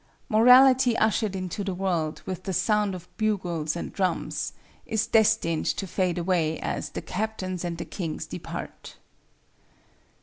Morality ushered into the world with the sound of bugles and drums, is destined to fade away as "the captains and the kings depart."